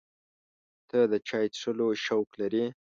ته د چای څښلو شوق لرې؟